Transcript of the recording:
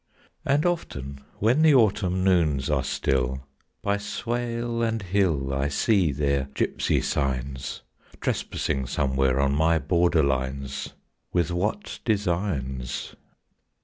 And often when the autumn noons are still, By swale and hill I see their gipsy signs, Trespassing somewhere on my border lines; With what designs?